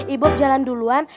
ibob jalan duluan